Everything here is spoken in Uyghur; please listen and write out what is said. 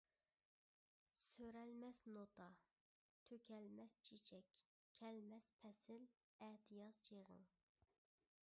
سۈرەلمەس نوتا، تۆكەلمەس چېچەك، كەلمەس پەسىل، ئەتىياز چېغىڭ.